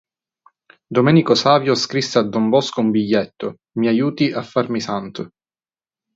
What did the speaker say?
Domenico Savio scrisse a Don Bosco un biglietto: "Mi aiuti a farmi santo".